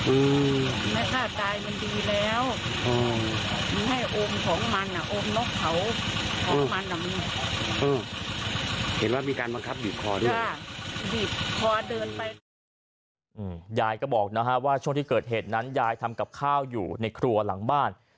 ยายก็บอกนะฮะว่าช่วงที่เกิดเหตุนั้นยายทำกับข้าวอยู่ในครัวหลังบ้าน